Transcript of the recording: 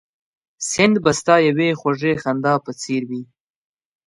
سیند به ستا یوې خوږې خندا په څېر وي